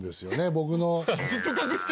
僕の。